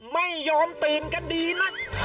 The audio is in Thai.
ไม่ยอมตีน